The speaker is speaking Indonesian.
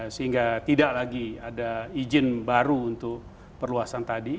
sehingga tidak lagi ada izin baru untuk perluasan tadi